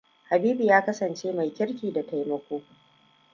Habibu ya kasance mai kirki da taimako.